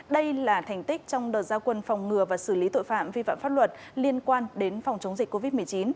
đây là thành tích trong đợt giao quân phòng ngừa và xử lý tội phạm vi phạm pháp luật liên quan đến phòng chống dịch covid một mươi chín